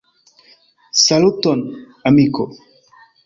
Saluton, amiko!